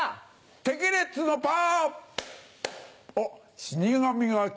テケレッツのパー。